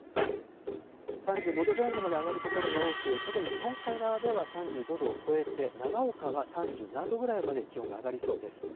３５度前後まで上がる所が多く、特に日本海側では、３５度を超えて、長岡は３７度ぐらいまで気温が上がりそうです。